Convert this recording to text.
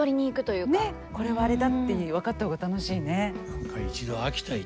「これはあれだ」っていうふうに分かった方が楽しいね。